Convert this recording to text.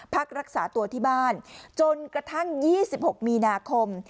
พักรักษาตัวที่บ้านจนกระทั่ง๒๖มีนาคม